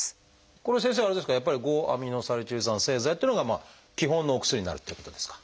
これは先生あれですかやっぱり５−アミノサリチル酸製剤っていうのが基本のお薬になるっていうことですか？